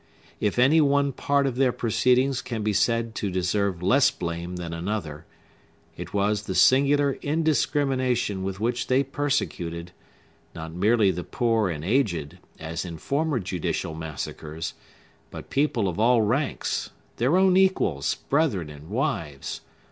If any one part of their proceedings can be said to deserve less blame than another, it was the singular indiscrimination with which they persecuted, not merely the poor and aged, as in former judicial massacres, but people of all ranks; their own equals, brethren, and wives.